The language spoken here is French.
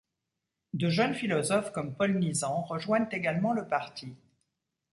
De jeunes philosophes comme Paul Nizan rejoignent également le Parti.